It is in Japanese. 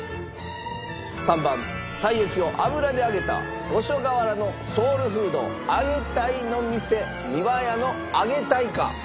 ３番たい焼きを油で揚げた五所川原のソウルフードあげたいの店みわやのあげたいか？